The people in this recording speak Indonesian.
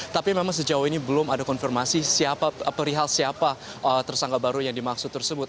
tapi memang sejauh ini belum ada konfirmasi perihal siapa tersangka baru yang dimaksud tersebut